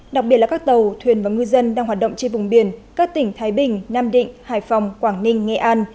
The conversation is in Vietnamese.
đặc biệt là các tàu thuyền và ngư dân đang hoạt động trên vùng biển các tỉnh thái bình nam định hải phòng quảng ninh nghệ an